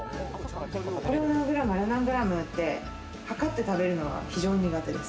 これ何グラム、あれ何グラムって測って食べるのは非常に苦手です。